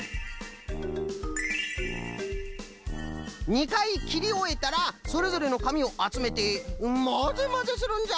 ２かいきりおえたらそれぞれのかみをあつめてまぜまぜするんじゃ！